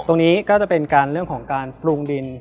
ตรงนี้ก็จะเป็นการเรื่องของการปรุงดิน